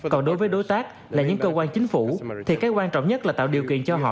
còn đối với đối tác là những cơ quan chính phủ thì cái quan trọng nhất là tạo điều kiện cho họ